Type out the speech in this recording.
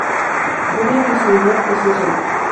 Otra especialidad es el soto.